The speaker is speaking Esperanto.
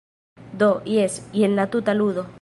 Do, jes, jen la tuta ludo.